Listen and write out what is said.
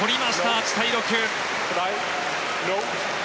８対６。